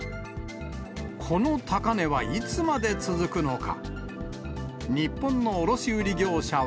この高値はいつまで続くのか。